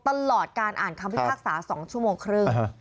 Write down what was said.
ตลอดการอ่านคำพิพากษา๒ชั่วโมงครึ่ง